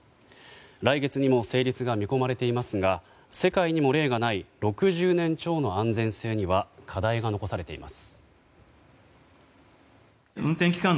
来月にも成立が見込まれていますが世界にも例のない６０年超の安全性には課題が残されています。